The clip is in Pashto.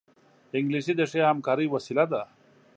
انګلیسي د ښې همکارۍ وسیله ده